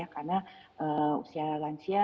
karena usia lansia